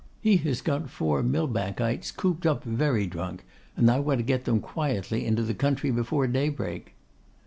He has got four Millbankites cooped up very drunk, and I want to get them quietly into the country before daybreak.